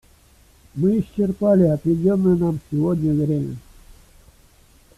Мы исчерпали отведенное нам сегодня время.